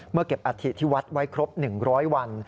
เมื่อเก็บอาธิที่วัดไว้ครบ๑๐๐วัน